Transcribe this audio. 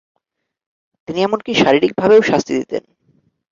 তিনি এমনকি শারীরিকভাবেও শাস্তি দিতেন।